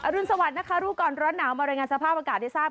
รุนสวัสดิ์นะคะรู้ก่อนร้อนหนาวมารายงานสภาพอากาศได้ทราบ